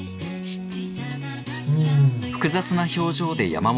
うん。